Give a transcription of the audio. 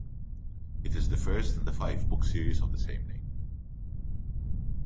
It is the first in the five-book series of the same name.